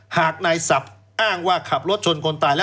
หากนายศัพท์อ้างว่าขับรถชนคนตายแล้ว